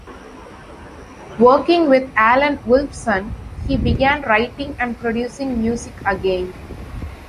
Working with Alan Wolfson, he began writing and producing music again.